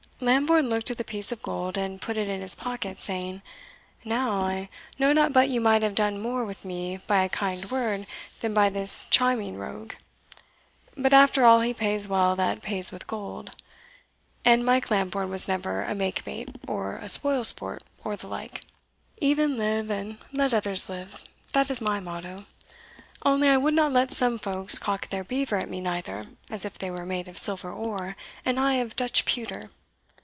Lambourne looked at the piece of gold, and put it in his pocket saying, "Now, I know not but you might have done more with me by a kind word than by this chiming rogue. But after all he pays well that pays with gold; and Mike Lambourne was never a makebate, or a spoil sport, or the like. E'en live, and let others live, that is my motto only, I would not let some folks cock their beaver at me neither, as if they were made of silver ore, and I of Dutch pewter.